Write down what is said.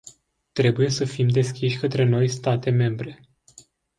Trebuie să fim deschiși către noi state membre.